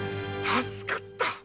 助かった‼